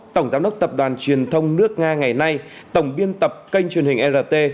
tổng giám đốc tập đoàn truyền thông nước nga ngày nay tổng biên tập kênh truyền hình rt